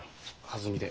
はずみで。